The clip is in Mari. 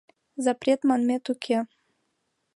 Запрет манмет уке.